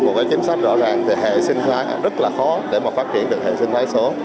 một cái chính sách rõ ràng thì hệ sinh thái rất là khó để mà phát triển được hệ sinh thái số